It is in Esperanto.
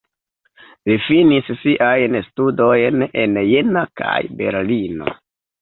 Li finis siajn studojn en Jena kaj Berlino.